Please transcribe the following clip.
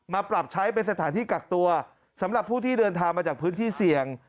ปรับใช้เป็นสถานที่กักตัวสำหรับผู้ที่เดินทางมาจากพื้นที่เสี่ยง